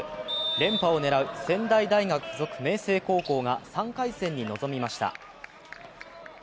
連覇を狙う仙台大学附属明成高校が３回戦に臨みました。